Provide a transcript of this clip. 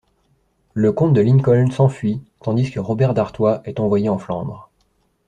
Le comte de Lincoln s'enfuit tandis que Robert d'Artois est envoyé en Flandre.